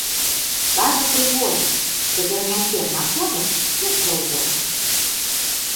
Кажам прыгожа, што перанясем, на конях, як заўгодна.